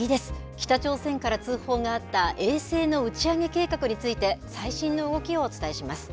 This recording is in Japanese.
北朝鮮から通報があった衛星の打ち上げ計画について、最新の動きをお伝えします。